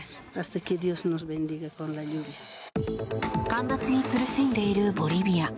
干ばつに苦しんでいるボリビア。